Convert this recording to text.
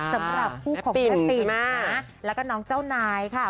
สำหรับคู่ของพระสินนะแล้วก็น้องเจ้านายค่ะ